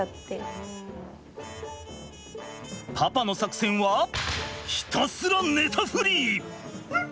パパの作戦はひたすら寝たふり！